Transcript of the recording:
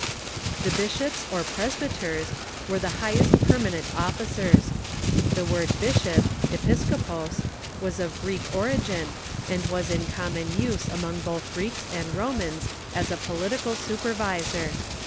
The bishops or presbyters were the highest permanent offi cers. The word bishop (episcopos) was of Greek origin, and was in common use among both Greeks and Romans ''offi^T"* ^^^ political supervisor.